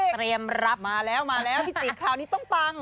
พี่จิกมาแล้วพี่จิกคราวนี้ต้องฟัง